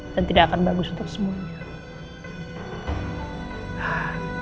dan tidak akan bagus untuk semuanya